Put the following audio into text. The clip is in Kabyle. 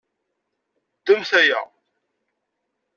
Ddmet aya.